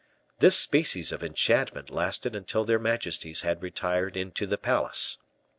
This species of enchantment lasted until their majesties had retired into the palace.